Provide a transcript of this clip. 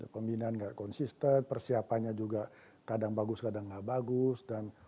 pembinaan nggak konsisten persiapannya juga kadang bagus kadang nggak bagus